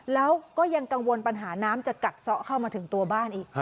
แล้วก็ยังกังวลปัญหาน้ำจะกัดซ้อเข้ามาถึงตัวบ้านอีก